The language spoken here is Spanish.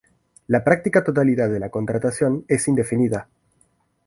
La práctica totalidad de la contratación es indefinida.